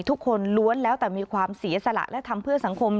ทุกคนล้วนแล้วแต่มีความเสียสละและทำเพื่อสังคม